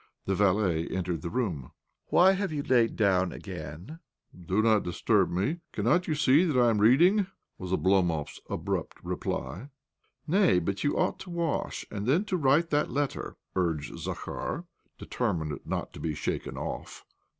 The valet entered the room. "Why have you lain down again?" he asked. "Do not disturb me : cannot you see that I am reading?" was Oblomov's abrupt reply. " Nay, but you ought to wash, and then to write that letter," urged Zakhar, deter mined not to be shaken off.